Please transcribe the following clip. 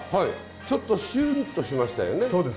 ちょっとしゅんとしましたよね。